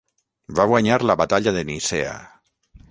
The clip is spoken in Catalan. Va guanyar la batalla de Nicea.